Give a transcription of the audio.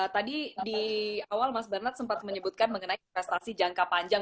tadi di awal mas bernard sempat menyebutkan mengenai investasi jangka panjang